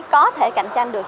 có thể cạnh tranh được